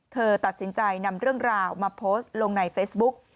เธอตัดสินใจนำเรื่องราวมาโพสต์ลงในเฟซบุ๊ก